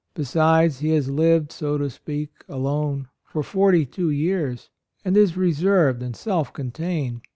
Besides he has lived, so to speak, alone, for forty two years, and he is reserved and self contained.